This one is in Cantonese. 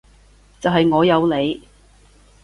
就係我有你